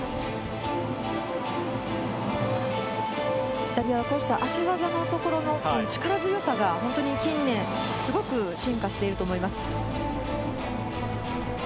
イタリアはこうした脚技のところの力強さが本当に近年、すごく進化していると思います。